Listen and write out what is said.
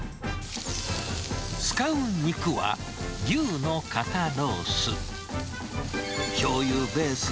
使う肉は、牛の肩ロース。